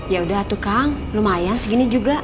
ya udah tuh kang lumayan segini juga